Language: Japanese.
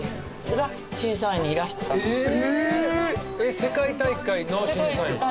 世界大会の審査員？